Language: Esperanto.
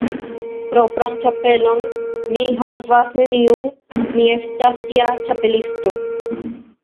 Propran ĉapelon mi havas neniun. Mi estas ja Ĉapelisto.